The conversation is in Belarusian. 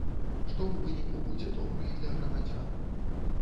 Што ў выніку будзе добра і для грамадзян.